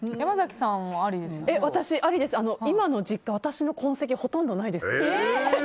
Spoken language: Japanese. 今は私、実家の痕跡はほとんどないです。